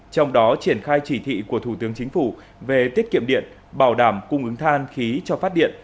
trong đó triển khai chỉ thị của thủ tướng chính phủ về tiết kiệm điện bảo đảm cung ứng than khí cho phát điện